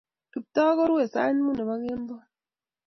Kiptoo korue sait mut nebo kemboi